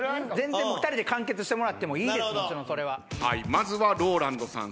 まずはＲＯＬＡＮＤさん。